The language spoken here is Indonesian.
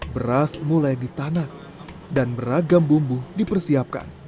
beras mulai ditanak dan beragam bumbu dipersiapkan